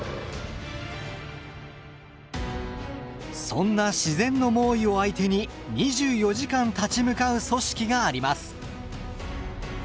そんな自然の猛威を相手に２４時間立ち向かう組織があります。